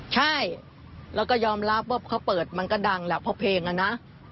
ใช่แล้วก็ยอมรับว่าเขาเปิดมันก็ดังแหละเพราะเพลงอะนะ